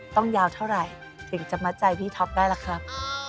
ต้องยาวเท่าไหร่ถึงจะมัดใจพี่ท็อปได้ล่ะครับ